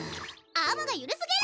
アームがゆるすぎる！